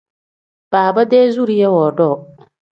Baaba-dee zuriya woodoo.